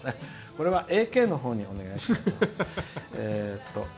これはＡＫのほうにお願いします。